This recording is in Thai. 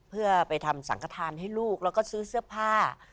เพื่อไปทำสังขทานให้ลูกแล้วก็ซื้อเสื้อผ้า